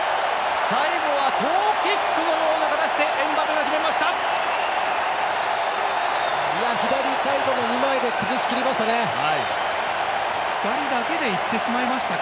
最後はトーキックのような形でエムバペが決めました！